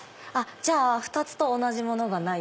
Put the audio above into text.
じゃあ２つと同じものがない。